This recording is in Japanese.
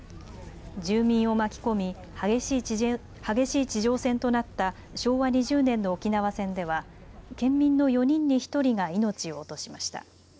住民を巻き込み、激しい地上戦となった昭和２０年の沖縄戦では県民の４人に１人が命を落としました。